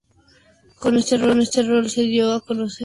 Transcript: Con este rol se dio a conocer a nivel nacional.